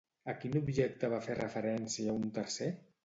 A quin objecte va fer referència un tercer?